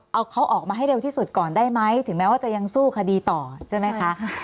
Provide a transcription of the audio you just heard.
เอาเขาออกมาให้เร็วที่สุดก่อนได้ไหมถึงแม้ว่าจะยังสู้คดีต่อใช่ไหมคะ